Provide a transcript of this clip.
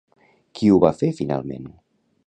Qui ho va fer finalment?